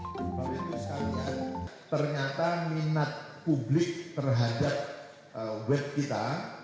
kpu itu sekalian ternyata minat publik terhadap web kita